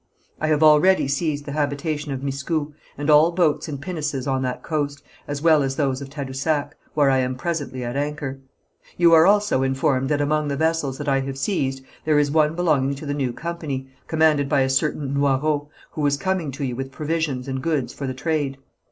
I have already seized the habitation of Miscou, and all boats and pinnaces on that coast, as well as those of Tadousac, where I am presently at anchor. You are also informed that among the vessels that I have seized, there is one belonging to the new company, commanded by a certain Noyrot, which was coming to you with provisions and goods for the trade.